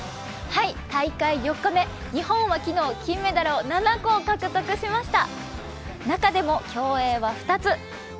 大会４日目、日本は昨日、金メダルを７個、獲得しました。